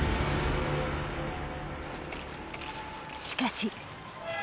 しかし。